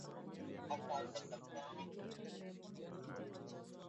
uwindaji haramu wa wanyamapori hautakiwi nchini tanzania